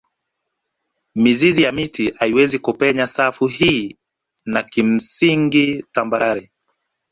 Mizizi ya mti haiwezi kupenya safu hii na kimsingi tambarare